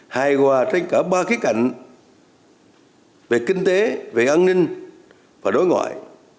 hài hòa trên cả ba khía cạnh về kinh tế về an ninh và đối ngoại